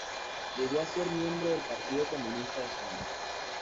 Llegó a ser miembro del Partido Comunista de España.